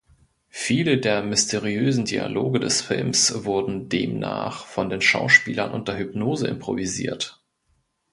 Viele der mysteriösen Dialoge des Films wurden demnach von den Schauspielern unter Hypnose improvisiert.